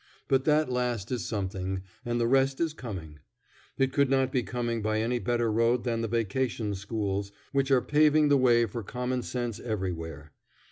But that last is something, and the rest is coming. It could not be coming by any better road than the vacation schools, which are paving the way for common sense everywhere.